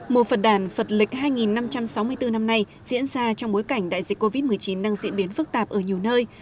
mùa phật đản phật lịch hai năm trăm sáu mươi bốn năm nay diễn ra trong bối cảnh đại dịch covid một mươi chín đang diễn biến phức tạp ở nhiều nơi